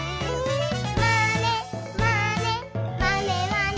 「まねまねまねまね」